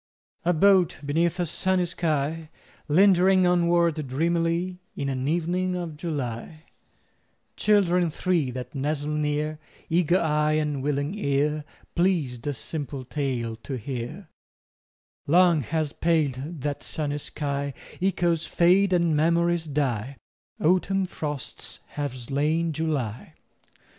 A boat beneath a sunny sky, Lingering onward dreamily In an evening of July— Children three that nestle near, Eager eye and willing ear, Pleased a simple tale to hear— Long has paled that sunny sky: Echoes fade and memories die. Autumn frosts have slain July.